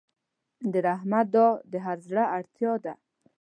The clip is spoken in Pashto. د رحمت دعا د هر زړه اړتیا ده.